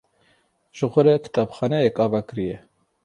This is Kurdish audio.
Ji xwe re kitêbxaneyek ava kiriye.